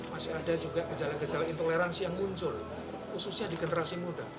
masih ada juga gejala gejala intoleransi yang muncul khususnya di generasi muda